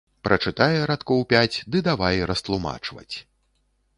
Прачытае радкоў пяць ды давай растлумачваць.